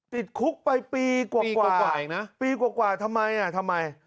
ติดคุกไปปีกว่ากว่าปีกว่ากว่าอีกนะปีกว่ากว่าทำไมอ่ะทำไม